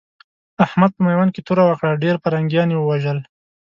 احمد په ميوند کې توره وکړه؛ ډېر پرنګيان يې ووژل.